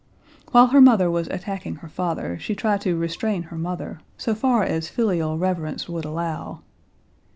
While her mother was attacking her father, she tried to restrain her mother, so far as filial reverence would allow.